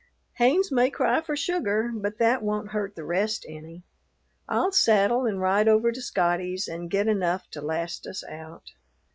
Haynes may cry for sugar, but that won't hurt the rest any. I'll saddle and ride over to Scotty's and get enough to last us out."